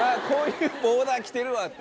こういうボーダー着てるわ。